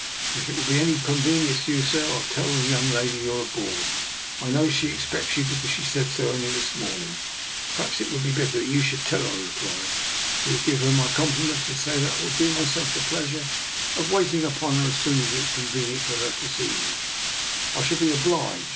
If it will be any con venience to you, sir, I'll tell the young lady you're aboard. I know she expects you, be cause she said so only this morning." " Perhaps it would be better that you 1 82 DR. NIKOLA'S EXPERIMENT. should tell her," I replied. " If you will give her my compliments and say that I will do myself the pleasure of waiting upon her as soon as it is convenient for her to see me, I shall be obliged.